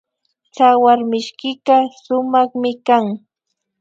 Tsawarmishkika sumakmi kan